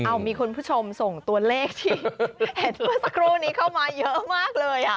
เอามีคุณผู้ชมส่งตัวเลขที่เห็นเมื่อสักครู่นี้เข้ามาเยอะมากเลยอ่ะ